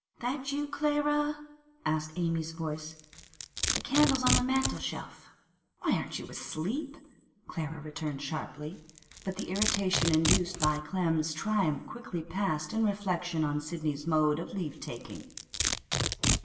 'That you, Clara?' asked Amy's voice. 'The candle's on the mantel shelf.' 'Why aren't you asleep?' Clara returned sharply. But the irritation induced by Clem's triumph quickly passed in reflection on Sidney's mode of leave taking.